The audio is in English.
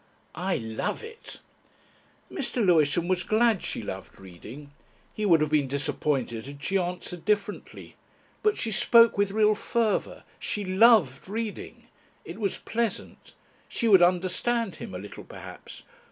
"I love it." Mr. Lewisham was glad she loved reading. He would have been disappointed had she answered differently. But she spoke with real fervour. She loved reading! It was pleasant. She would understand him a little perhaps.